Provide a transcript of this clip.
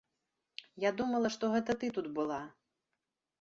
Я думала, што гэта ты тут была.